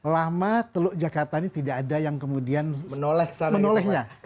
lama teluk jakarta ini tidak ada yang kemudian menolehnya